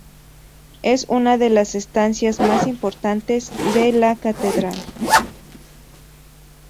Es una de las estancias más importantes de la catedral.